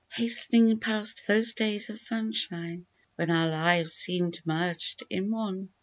Hast'ning past those days of sunshine, when our lives seem'd merged in one.